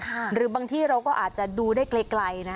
หรือบางที่เราก็อาจจะดูได้ไกลนะ